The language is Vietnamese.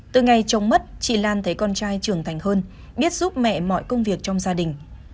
từ ngày chồng mất chị lan thấy con trai trưởng thành hơn biết giúp mẹ mọi công việc trong gia đình